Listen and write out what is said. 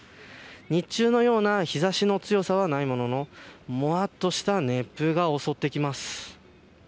日中のような日差しの強さはないもののもわっとした熱風が襲ってきます。